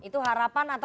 oke itu harapan